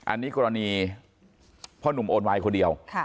อันนี้กรณีพ่อหนุ่มโอนไวน์คนเดียว